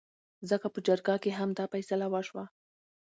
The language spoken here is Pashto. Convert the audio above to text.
ځکه په جرګه کې هم دا فيصله وشوه